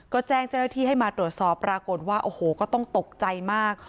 ก็แจ้งเจ้าหน้าที่ให้มาตรวจสอบปรากฏว่าโอ้โหก็ต้องตกใจมาก